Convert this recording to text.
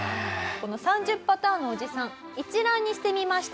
この３０パターンのおじさん一覧にしてみました。